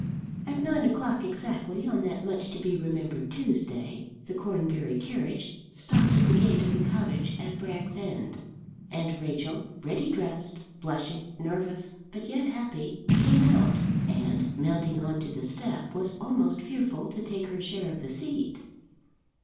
At nine o'clock exactly on that much to be remembered Tuesday the Cornbury carriage stopped at the gate of the cottage at Bragg's End, and Rachel, ready dressed, blushing, nervous, but yet happy, came out, and mounting on to the step was almost fearful to take her share of the seat.